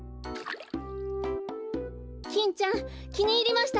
キンちゃんきにいりましたか？